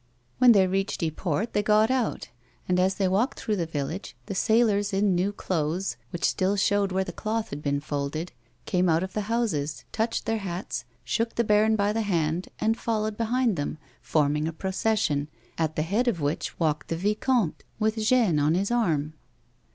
When they reached Yport they got out, and, as they walked through the village, the sailors in new clothes which still showed where the cloth had been folded, came out of the houses, touched their hats, shook the baron by the hand, and followed behind them, forming h procession, at the head of which walked the vicomte with Jeanne on his arm.